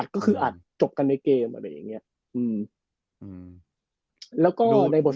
อัดก็คืออัดจบกันในเกมอะไรอย่างเงี้ยอืมอืมแล้วก็ในบทสัมภาษณ์